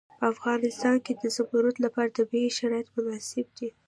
په افغانستان کې د زمرد لپاره طبیعي شرایط مناسب دي.